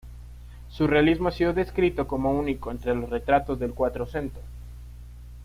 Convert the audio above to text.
Su realismo ha sido descrito como único entre los retratos del Quattrocento.